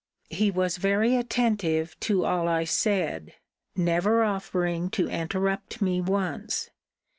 He was very attentive to all I said, never offering to interrupt me once.